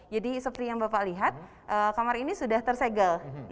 jadi seperti yang bapak lihat kamar ini sudah tersegel